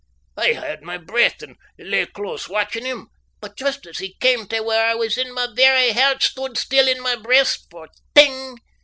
I haud my breath and lay close watchin' him, but just as he cam tae where I was my vera hairt stood still in my breast, for "ting!"